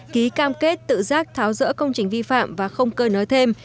ký cam kết tự giác tháo dỡ công trình vi phạm và không cơ nới thêm